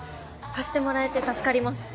貸してもらえて助かります